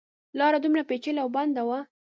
لاره دومره پېچلې او بنده وه.